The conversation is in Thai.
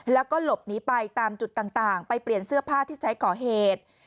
แล้วก็หลบหนีไปตามจุดต่างไปเปลี่ยนเสื้อผ้าที่ใช้ก่อเหตุ